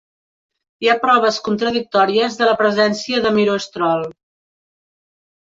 Hi ha proves contradictòries de la presència de miroestrol.